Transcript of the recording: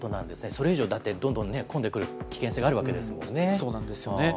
それ以上、だってどんどんね、混んでくる危険性があるわけですもそうですよね。